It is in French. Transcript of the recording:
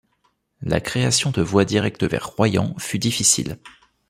La création de voie directe vers Royan fut difficile.